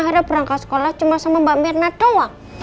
akhirnya berangkat sekolah cuma sama mbak mirna doang